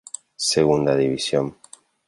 Segunda División